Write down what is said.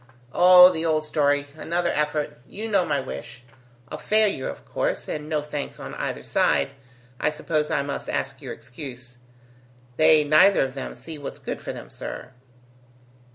"Oh, the old story; another effort; you know my wish; a failure, of course, and no thanks on either side, I suppose I must ask your excuse. They neither of them see what's good for them, sir."